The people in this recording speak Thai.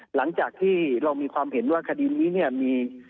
หลังจากที่เรามีความเห็นว่าคดีนี้